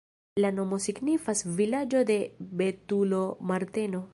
La nomo signifas vilaĝo-de-betulo-Marteno.